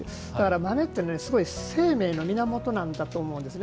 豆ってすごい生命の源だと思うんですね。